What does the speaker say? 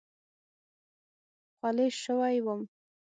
خولې شوی وم.